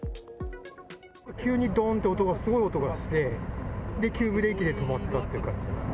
急にどーんとすごい音がして、で、急ブレーキで止まったっていう感じですね。